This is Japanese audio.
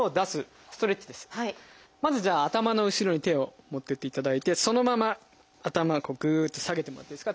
まずじゃあ頭の後ろに手を持ってっていただいてそのまま頭をぐっと下げてもらっていいですか。